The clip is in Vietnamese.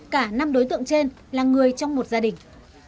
cả năm đối tượng trên là người trong một gia đình